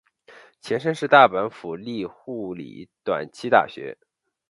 前身是大阪府立护理短期大学。